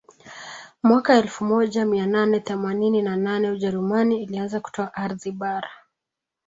Mwaka elfu moja mia nane themanini na nane ujerumani ilianza kutoa ardhi bara